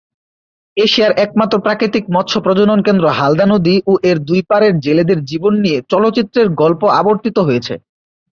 এশিয়ার একমাত্র প্রাকৃতিক মৎস প্রজনন কেন্দ্র হালদা নদী ও এর দুই পাড়ের জেলেদের জীবন নিয়ে চলচ্চিত্রের গল্প আবর্তিত হয়েছে।